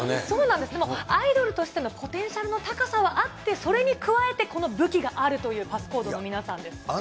そうなんです、でも、アイドルとしてのポテンシャルの高さはあって、それに加えて、この武器があるというＰａｓｓＣｏｄｅの皆さんです。